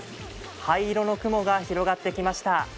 灰色の雲が広がってきました。